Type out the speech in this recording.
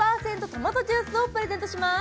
トマトジュースをプレゼントします